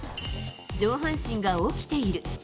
上半身が起きている。